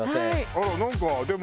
あらなんかでも。